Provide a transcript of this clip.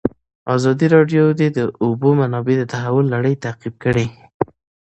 ازادي راډیو د د اوبو منابع د تحول لړۍ تعقیب کړې.